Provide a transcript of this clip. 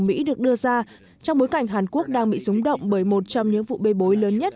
mỹ được đưa ra trong bối cảnh hàn quốc đang bị rúng động bởi một trong những vụ bê bối lớn nhất